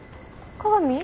加賀美？